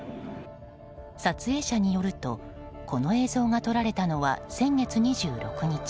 撮影者によるとこの映像が撮られたのは先月２６日。